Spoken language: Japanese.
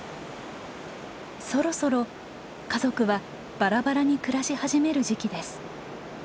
そろそろ家族はバラバラに暮らし始める時期です。